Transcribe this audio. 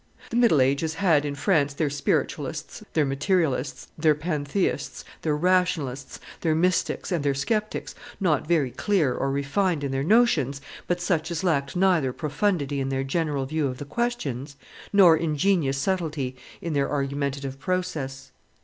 The middle ages had, in France, their spiritualists, their materialists, their pantheists, their rationalists, their mystics, and their sceptics, not very clear or refined in their notions, but such as lacked neither profundity in their general view of the questions, nor ingenious subtilty in their argumentative process.